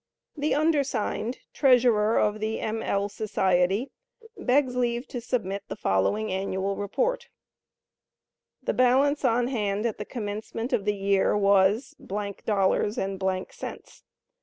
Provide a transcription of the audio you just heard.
The undersigned, Treasurer of the M. L. Society, begs leave to submit the following annual report: The balance on hand at the commencement of the year was —— dollars and —— cents.